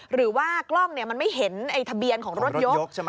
หรือว่ากล้องมันไม่เห็นไอ้ทะเบียนของรถยก